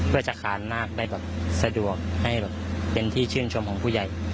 เพื่อจะขานนาคได้แบบสะดวกให้แบบเป็นที่ชื่นชมของผู้ใหญ่